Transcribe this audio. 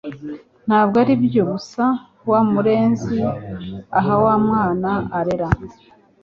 Ntabwo ari ibyo gusa Wa murezi aha wa mwana arera